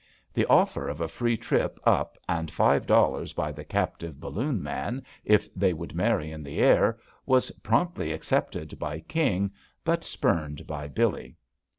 The offer of a free trip up and five dollars by the captive balloon man, if they would marry in the air, was promptly accepted by King but spurned by Billee.